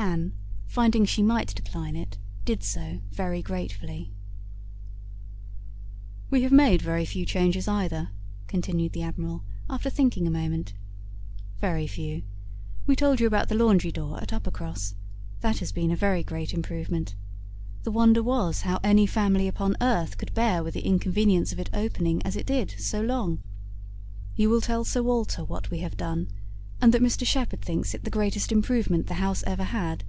Anne, finding she might decline it, did so, very gratefully. "We have made very few changes either," continued the Admiral, after thinking a moment. "Very few. We told you about the laundry door, at Uppercross. That has been a very great improvement. The wonder was, how any family upon earth could bear with the inconvenience of its opening as it did, so long! You will tell Sir Walter what we have done, and that Mr Shepherd thinks it the greatest improvement the house ever had.